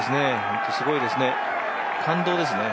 本当にすごいですね。